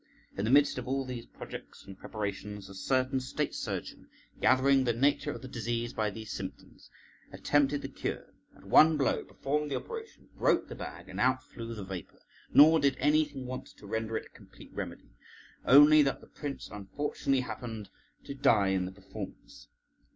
In the midst of all these projects and preparations, a certain state surgeon {126b}, gathering the nature of the disease by these symptoms, attempted the cure, at one blow performed the operation, broke the bag and out flew the vapour; nor did anything want to render it a complete remedy, only that the prince unfortunately happened to die in the performance.